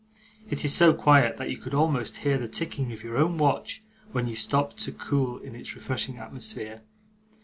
It is so quiet, that you can almost hear the ticking of your own watch when you stop to cool in its refreshing atmosphere.